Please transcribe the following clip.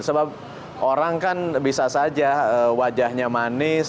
sebab orang kan bisa saja wajahnya manis